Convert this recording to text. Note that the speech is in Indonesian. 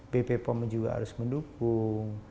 bp pom juga harus mendukung